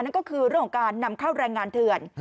นั่นก็คือเรื่องของการนำเข้าแรงงานเถื่อน